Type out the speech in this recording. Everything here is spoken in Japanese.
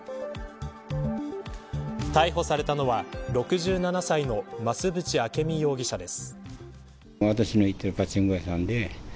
逮捕されたのは６７歳の増渕明美容疑者です。